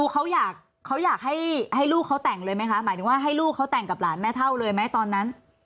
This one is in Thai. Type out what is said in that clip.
เขาอยากให้ลูกเขาแต่งเลยไหมคะหมายถึงว่าให้ลูกเขาแต่งกับหลานแม่เท่าเลยไหมตอนนั้น